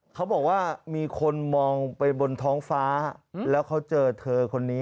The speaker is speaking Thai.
เขาบอกว่ามีคนมองไปบนท้องฟ้าแล้วเขาเจอเธอคนนี้